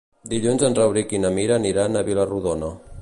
Dilluns en Rauric i na Mira aniran a Vila-rodona.